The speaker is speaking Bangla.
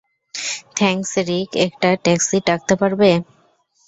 থ্যাংক্স রিক, একটা ট্যাক্সি ডাকতে পারবে?